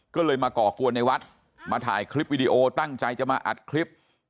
ก็เลยมาก่อกวนในวัดมาถ่ายคลิปวิดีโอตั้งใจจะมาอัดคลิป